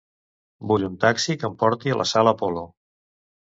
Vull un taxi que em porti a la sala Apolo.